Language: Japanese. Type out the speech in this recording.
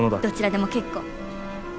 どちらでも結構。